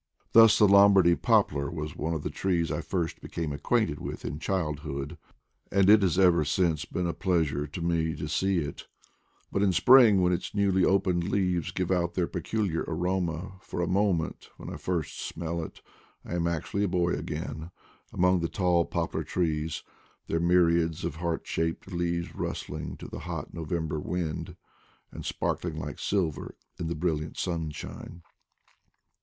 Thus, the Lombardy poplar was one of the trees I first became acquainted with in childhood, and it has ever since been a pleasure to me to see it; but in spring, when its newly opened leaves give out their peculiar aroma, for a moment, when I first smell it, I am actually a boy again, among the tall poplar trees, their my riads of heart shaped leaves rustling to the hot November wind, and sparkling like silver in the brilliant sunshine.